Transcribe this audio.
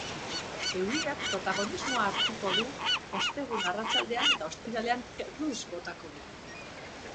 Euriak protagonismoa hartuko du ostegun arratsaldean eta ostiralean erruz botako du.